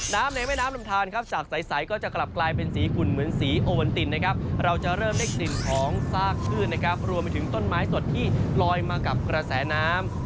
ในแม่น้ำลำทานครับจากใสก็จะกลับกลายเป็นสีขุ่นเหมือนสีโอวันตินนะครับเราจะเริ่มได้กลิ่นของซากชื่นนะครับรวมไปถึงต้นไม้สดที่ลอยมากับกระแสน้ำ